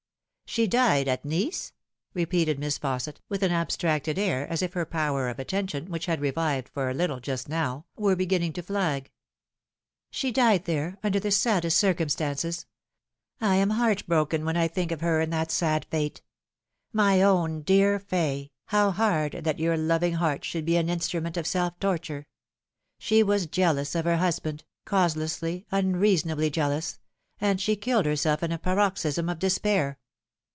" She died at Nice ?" repeated Miss Fausset, with an ab stracted air, as if her power of attention, which had revived for a little just now, were beginning to flag. " She died there, under the saddest circumstances. I am heart broken when I think of her and that sad fate. My own dear Fay, how hard that your loving heart should be an instru ment of self torture ! She was jealous of her husband cause lessly, unreasonably jealous and she killed herself in a paroxysm of despair